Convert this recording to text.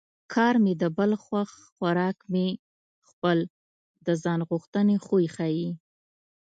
کار مې د بل خوښ خوراک مې خپل د ځان غوښتنې خوی ښيي